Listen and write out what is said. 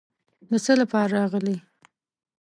د څه لپاره راغلې.